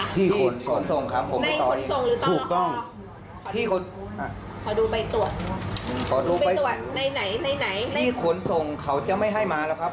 ที่ขนส่งเขาจะไม่ให้มาแล้วครับ